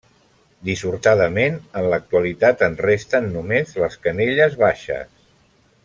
Dissortadament, en l'actualitat en resten només les canelles baixes.